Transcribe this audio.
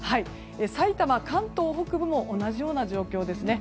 さいたま、関東北部も同じような状況ですね。